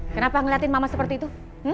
kenapa ngeliatin mama seperti itu